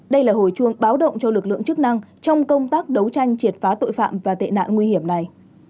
đây là hồi chuông báo động cho lực lượng chức năng trong công tác đấu tranh triệt phá tội phạm và tệ nạn nguy hiểm này